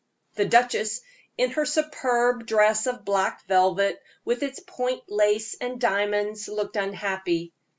The duchess, in her superb dress of black velvet, with its point lace and diamonds, looked unhappy.